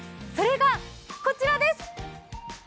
それがこちらです！